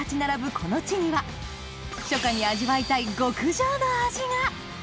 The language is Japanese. この地には初夏に味わいたい極上の味が！